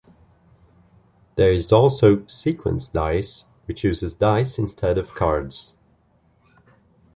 There is also Sequence Dice which uses dice instead of cards.